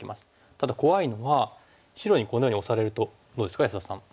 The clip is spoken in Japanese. ただ怖いのは白にこのようにオサれるとどうですか安田さん。